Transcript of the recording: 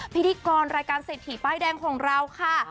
พิธีกรรายการเศรษฐีป้ายแดงของเราค่ะ